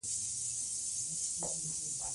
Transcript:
نجونې له کلونو راهیسې د زده کړې غوښتنه کوي.